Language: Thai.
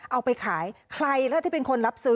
เอาไปขายใครแล้วที่เป็นคนรับซื้อ